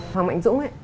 hoàng mạnh dũng